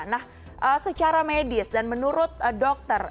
nah secara medis dan menurut dokter